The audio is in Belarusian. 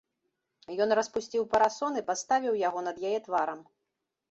Ён распусціў парасон і паставіў яго над яе тварам.